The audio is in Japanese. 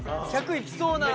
１００いきそうな。